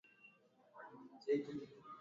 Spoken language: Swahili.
Ningelijua sitafika kortini leo, nisingelikuja